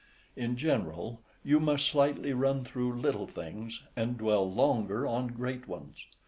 In general, you must slightly run through little things, and dwell longer on great ones.